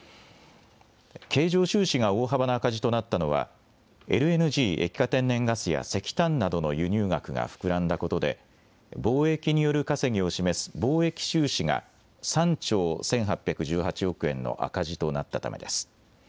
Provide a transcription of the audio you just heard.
経常収支が大幅な赤字となったのは、ＬＮＧ・液化天然ガスや石炭などの輸入額が膨らんだことで、貿易による稼ぎを示す貿易収支が３兆１８１８億円の赤字となったためです。